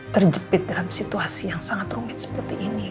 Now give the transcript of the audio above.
terjepit dalam situasi yang sangat rumit seperti ini